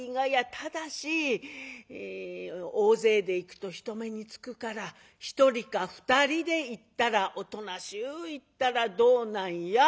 ただし大勢で行くと人目につくから１人か２人で行ったらおとなしゅう行ったらどうなんや？